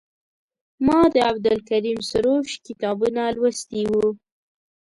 ما د عبدالکریم سروش کتابونه لوستي وو.